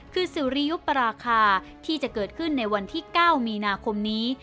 คือสุริยุปราคาที่จะเกิดขึ้นในวันที่๙มีนาคมนี้